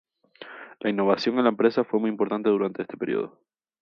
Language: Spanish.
La innovación en la empresa fue muy importante durante este período.